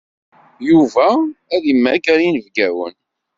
Yuba ad yemmager inebgawen.